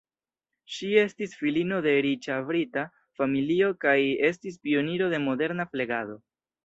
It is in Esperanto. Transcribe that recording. Ŝi estis filino de riĉa brita familio kaj estis pioniro de moderna flegado.